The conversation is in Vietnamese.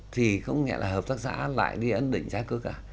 thì không nghĩa là hợp tác xã lại đi ấn định giá cước à